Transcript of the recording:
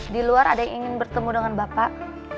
di luar ada yang ingin bertemu dengan bapak